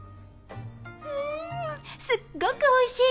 んー、すっごくおいしい！